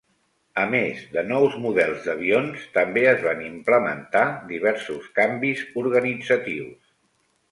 A més de nous models d'avions, també es van implementar diversos canvis organitzatius.